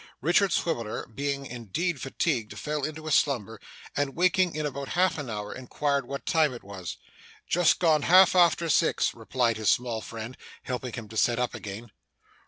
Richard Swiveller being indeed fatigued, fell into a slumber, and waking in about half an hour, inquired what time it was. 'Just gone half after six,' replied his small friend, helping him to sit up again.